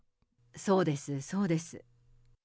そうです、そうです。